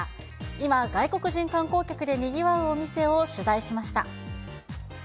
今、外国人観光客でにぎわうお店を取材しました。